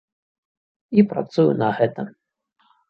І працую на гэта.